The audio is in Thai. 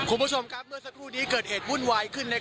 คุณผู้ชมครับเมื่อสักครู่นี้เกิดเหตุวุ่นวายขึ้น